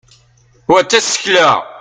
wa d tasekla